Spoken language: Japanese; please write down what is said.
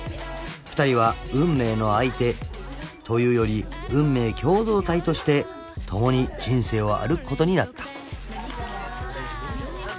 ２人は運命の相手というより運命共同体として共に人生を歩くことになった］